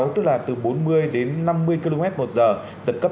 tức là từ bốn mươi đến năm mươi km một giờ giật cấp tám